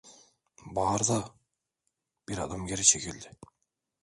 Bağırdı, bir adım geri çekildi.